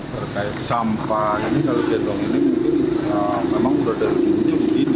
berkait sampah kali gendong ini memang berada di dunia segini